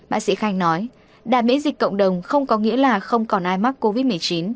bác sĩ khanh nói đà miễn dịch cộng đồng không có nghĩa là không còn ai mắc covid một mươi chín